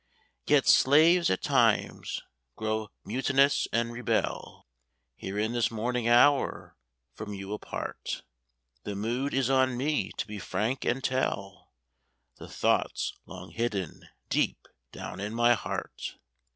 Yet slaves, at times, grow mutinous and rebel. Here in this morning hour, from you apart, The mood is on me to be frank and tell The thoughts long hidden deep down in my heart.